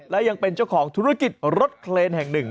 และยังเป็นเจ้าของธุรกิจรถเคลนแห่งหนึ่ง